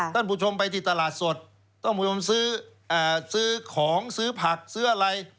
ท่านผู้ชมไปที่ตลาดสดท่านผู้ชมซื้อของซื้อผักซื้ออะไร